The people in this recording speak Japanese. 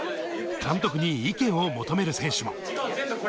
監督に意見を求める選手も。